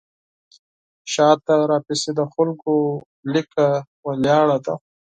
شاته راپسې د خلکو لیکه ولاړه ده.